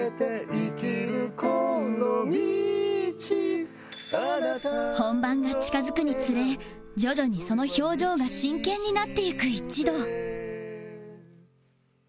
「生きるこの道」本番が近付くにつれ徐々にその表情が真剣になっていく一同